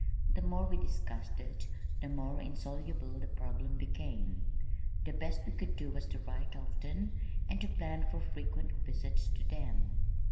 The more we discussed it the more insoluble the problem became. The best we could do was to write often and to plan for frequent visits to them.